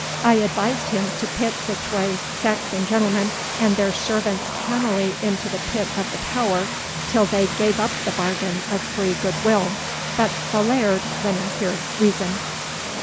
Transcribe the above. I advised him to pit the twa Saxon gentlemen and their servants cannily into the pit o' the tower till they gae up the bagain o' free gude will, but the Laird winna hear reason."